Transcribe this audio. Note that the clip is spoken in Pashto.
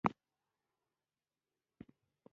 افغانستان د تالابونو په برخه کې له نړیوالو سره کار کوي.